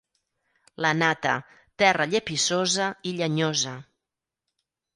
La Nata, terra llepissosa i llenyosa.